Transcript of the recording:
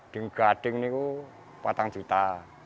di gading ini rp empat juta